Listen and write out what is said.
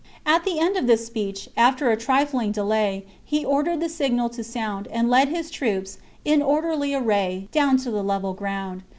CHAP. At the end of this speech, after a trifling delay, he ordered the signal to sound, and led his troops, in orderly array, down to the level ground.